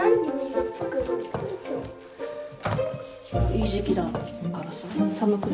いい時期だからさ寒く